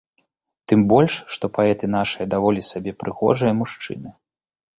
Тым больш, што паэты нашыя даволі сабе прыгожыя мужчыны.